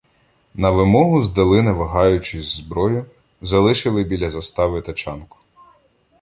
На вимогу здали, не вагаючись, зброю, залишили біля застави тачанку.